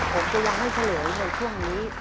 ผมจะยังไม่เฉลยในช่วงนี้